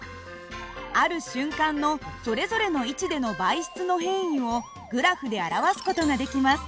ある瞬間のそれぞれの位置での媒質の変位をグラフで表す事ができます。